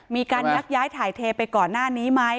มีการยักย้ายถ่ายเทไปก่อนหน้านี้ไหม